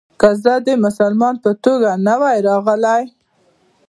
که زه د مسلمان په توګه نه وای راغلی.